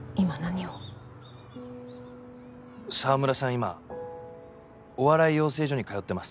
今お笑い養成所に通ってます。